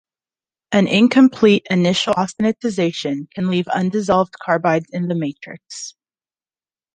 An incomplete initial austenitization can leave undissolved carbides in the matrix.